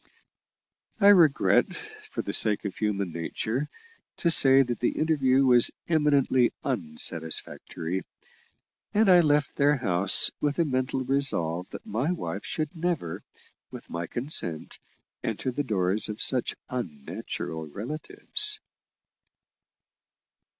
I regret, for the sake of human nature, to say that the interview was eminently unsatisfactory; and I left their house with a mental resolve that my wife should never, with my consent, enter the doors of such unnatural relatives.